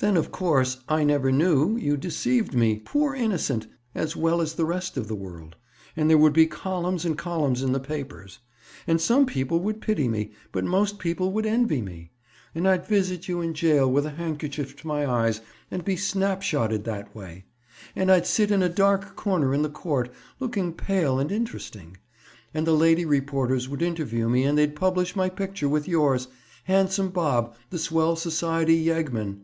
"Then, of course, I never knew—you deceived me—poor innocent!—as well as the rest of the world. And there would be columns and columns in the papers. And some people would pity me, but most people would envy me. And I'd visit you in jail with a handkerchief to my eyes and be snap shotted that way. And I'd sit in a dark corner in the court, looking pale and interesting. And the lady reporters would interview me and they'd publish my picture with yours—'Handsome Bob, the swell society yeggman.